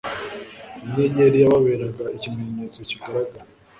Inyenyeri yababeraga ikimenyetso kigaragara;